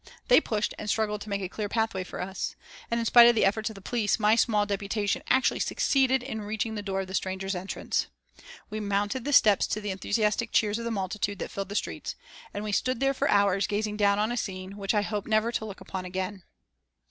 They pushed and struggled to make a clear pathway for us, and in spite of the efforts of the police my small deputation actually succeeded in reaching the door of the Strangers' Entrance. We mounted the steps to the enthusiastic cheers of the multitudes that filled the streets, and we stood there for hours gazing down on a scene which I hope never to look upon again.